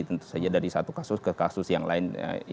tentu saja dari satu kasus ke kasus yang lain